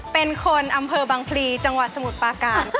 เป็นคนอำเภอบังพลีจังหวัดสมุทรปาการค่ะ